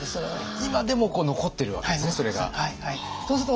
今でも残ってるわけですね